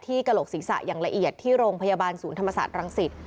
กระโหลกศีรษะอย่างละเอียดที่โรงพยาบาลศูนย์ธรรมศาสตร์รังสิต